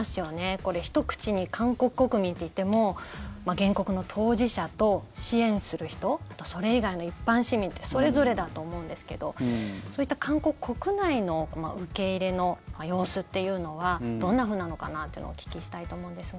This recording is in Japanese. これ、ひと口に韓国国民といっても原告の当事者と支援する人とそれ以外の一般市民とそれぞれだと思うんですけどそういった韓国国内の受け入れの様子っていうのはどんなふうなのかなっていうのをお聞きしたいと思うんですが。